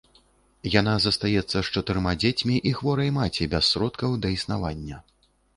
Яна застаецца з чатырма дзецьмі і хворай маці без сродкаў да існавання.